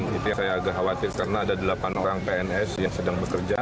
dipastikan aman pak ya